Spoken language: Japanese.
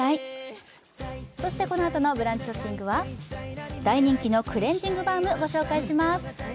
このあとのブランチショッピングは、大人気のクレンジングバームご紹介します。